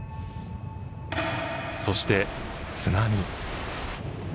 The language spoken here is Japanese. そして津波。